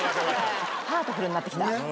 ハートフルになってきた。